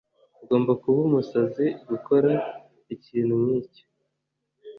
Agomba kuba umusazi gukora ikintu nkicyo.